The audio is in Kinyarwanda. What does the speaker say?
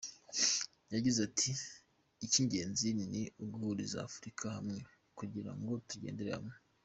Yagize ati “Icy’ingenzi ni uguhuriza Afurika hamwe kugira ngo tugendere hamwe.